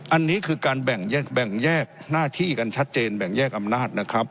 อันนี้คือการแบ่งแยกหน้าที่กันชัดเจนแบ่งแยกอำนาจนะครับ